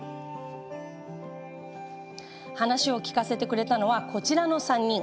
話を聞かせてくれたのはこちらの３人。